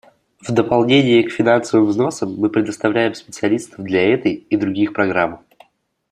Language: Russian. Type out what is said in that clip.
В дополнение к финансовым взносам мы предоставляем специалистов для этой и других программ.